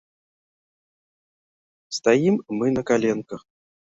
Стаім мы на каленках.